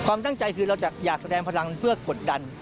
ความตั้งใจคือเราจะอยากแสดงพลังเพื่อกดดัน